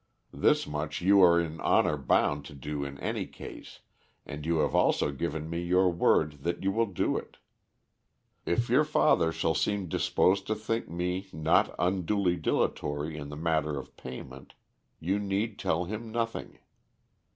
This much you are in honor bound to do in any case, and you have also given me your word that you will do it. If your father shall seem disposed to think me not unduly dilatory in the matter of payment, you need tell him nothing.